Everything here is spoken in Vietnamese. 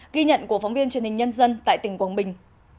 ghi nhận của phóng viên truyền hình nhân dân tại tỉnh quảng bình